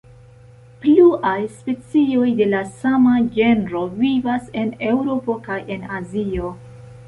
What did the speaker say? Pluaj specoj de la sama genro vivas en Eŭropo kaj en Azio.